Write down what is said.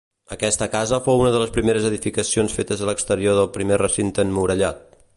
Aquesta casa fou una de les primeres edificacions fetes a l'exterior del primer recinte emmurallat.